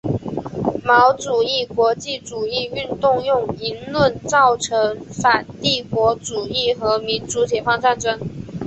毛主义国际主义运动用舆论赞成反帝国主义和民族解放斗争。